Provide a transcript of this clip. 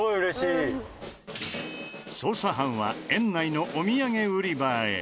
捜査班は園内のお土産売り場へ。